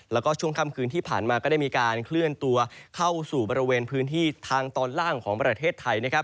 แล้วก็ช่วงค่ำคืนที่ผ่านมาก็ได้มีการเคลื่อนตัวเข้าสู่บริเวณพื้นที่ทางตอนล่างของประเทศไทยนะครับ